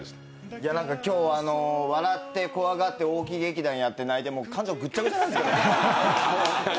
今日、笑って怖がって大木劇団やって泣いて、もう感情ぐっちゃぐちゃですから。